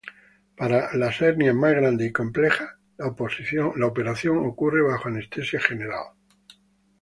Para las hernias más grandes y complejas, la operación ocurre bajo anestesia general.